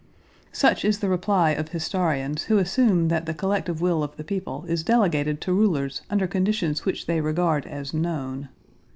Such is the reply historians who assume that the collective will of the people is delegated to rulers under conditions which they regard as known.